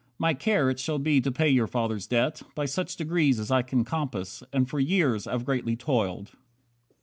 My care it shall be To pay your father's debt, by such degrees As I can compass, and for years I've greatly toiled.